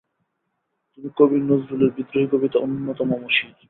তুমি কবি নজরুলের বিদ্রোহী কবিতা উন্নত মম্ শীর।